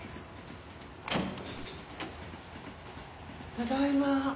ただいま。